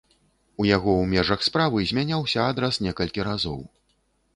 У яго ў межах справы змяняўся адрас некалькі разоў.